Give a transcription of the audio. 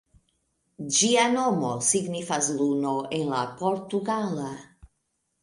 Ĝia nomo signifas "luno" en la portugala.